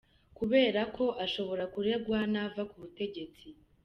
Kubera ko ashobora kuregwa nava ku butegetsi.